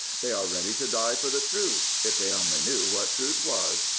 They are ready to die for the truth, if they only knew what truth was.